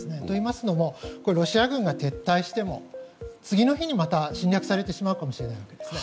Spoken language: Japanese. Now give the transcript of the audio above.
といいますのもロシア軍が撤退しても次の日にまた侵略されてしまうかもしれない。